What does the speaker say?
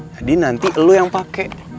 jadi nanti lo yang pake